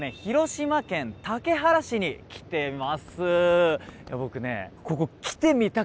広島県竹原市に来てます。